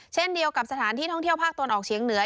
เช่นเดียวกับสถานที่ท่องเที่ยวภาคตะวันออกเฉียงเหนือ